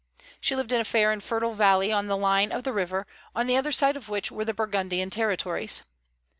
She lived in a fair and fertile valley on the line of the river, on the other side of which were the Burgundian territories.